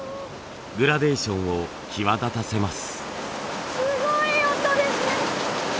グラデーションを際立たせます。